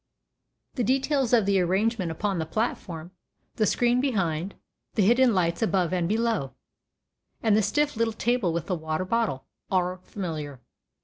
The details of the arrangement upon the platform, the screen behind, the hidden lights above and below, and the stiff little table with the water bottle, are familiar.